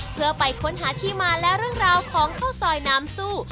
เพื่อไปค้นหาที่มาและเรื่องราวของข้าวซอยน้ำซู่